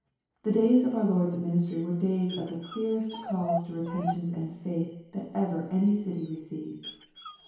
The days of our Lord's ministry were days of the clearest calls to repentance and faith that ever any city received.